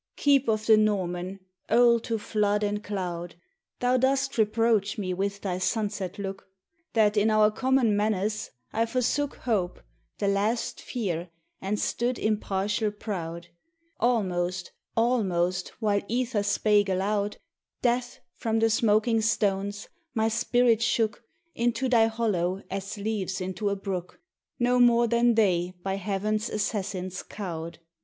Keep of the Norman, old to flood and cloud! Thou dost reproach me with thy sunset look, That in our common menace, I forsook Hope, the last fear, and stood impartial proud: Almost, almost, while ether spake aloud, Death, from the smoking stones, my spirit shook Into thy hollow as leaves into a brook, No more than they by heaven's assassins cowed.